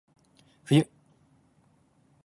冬